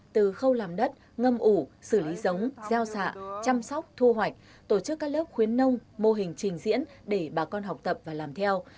từ khâu làm đất ngâm ủ xử lý giống gieo xạ chăm sóc thu hoạch tổ chức các lớp khuyến nông mô hình trình diễn để bà con học tập và làm theo